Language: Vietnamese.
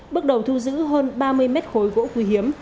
bước đầu thu giữ hơn ba mươi mét khối gỗ quý hiếm